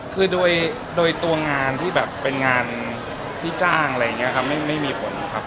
คือโดยตัวงานที่แบบเป็นงานที่จ้างอะไรอย่างนี้ครับไม่มีผลครับ